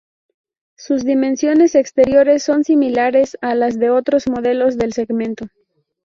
Sus dimensiones exteriores son similares a las de otros modelos del segmento.